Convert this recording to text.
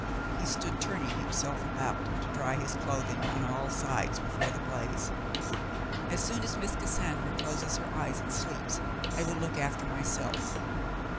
He stood turning himself about to dry his clothing on all sides before the blaze. "As soon as Miss Cassandra closes her eyes and sleeps, I w^ill look after myself.